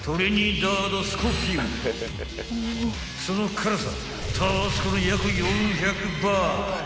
［その辛さ］